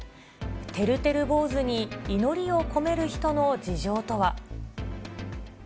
てるてる坊主に祈りを込める人の事情とは。